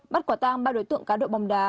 bắt quả tàng ba đối tượng cá đội bóng đá